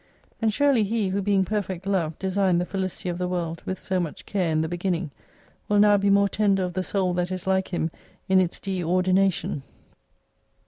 And surely He, who being perfect Love, de signed the felicity of the world with so much care in the beginning, will now be more tender of the soul that is like Him in its Deordination.